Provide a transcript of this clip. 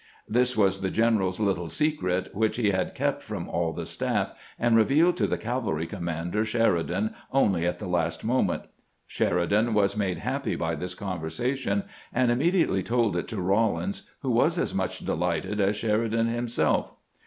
This was the general's little secret, which he had kept from all of the staff, and revealed to the cavalry commander Sheridan only at the last moment. Sheridan was made happy by this conversation, and immediately told it to Rawlins, who was as much delighted as Sheridan him self.